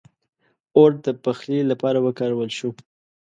• اور د پخلي لپاره وکارول شو.